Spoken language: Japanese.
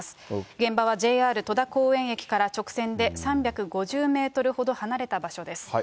現場はＪＲ戸田公園駅から直線で３５０メートルほど離れた場所です。